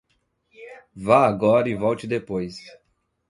Vá agora e volte depois.